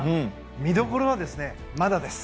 見どころは、まだです。